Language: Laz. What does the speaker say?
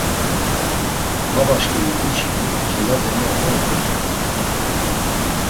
Babaşǩimi diçilu Celazeni oxori dotzopxu.